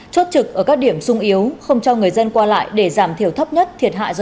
chốt trực ở các điểm sung yếu không cho người dân qua lại để giảm thiểu thấp nhất thiệt hại do lũ lụt gây ra